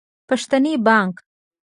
پښتني بانګ